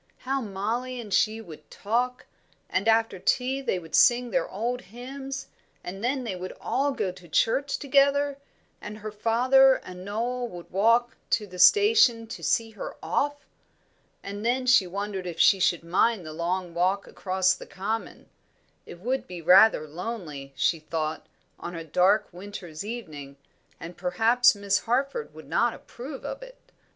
How Mollie and she would talk! And after tea they would sing their old hymns, and then they would all go to church together, and her father and Noel would walk to the station to see her off. And then she wondered if she should mind the long walk across the common; it would be rather lonely, she thought, on a dark winter's evening, and perhaps Miss Harford would not approve of it.